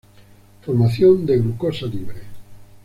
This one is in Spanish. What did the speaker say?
Formación de glucosa libre.